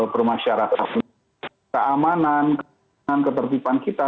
bermasyarakat keamanan ketertiban kita